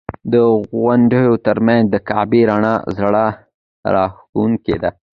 د غونډیو تر منځ د کعبې رڼا زړه راښکونکې ده.